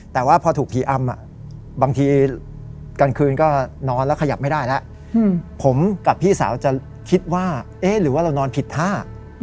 แต่ว่าพอถูกผีอำบางทีกลางคืนก็นอนแล้วขยับไม่ได้แล้วผมกับพี่สาวจะคิดว่าเอ๊ะหรือว่าเรานอนผิดท่า